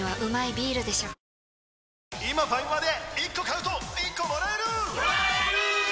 今ファミマで１個買うと１個もらえるもらえるっ！！